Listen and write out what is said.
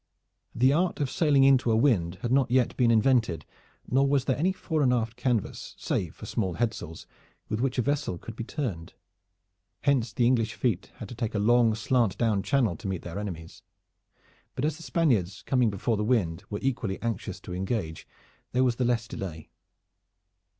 The art of sailing into a wind had not yet been invented, nor was there any fore and aft canvas, save for small headsails with which a vessel could be turned. Hence the English fleet had to take a long slant down channel to meet their enemies; but as the Spaniards coming before the wind were equally anxious to engage there was the less delay.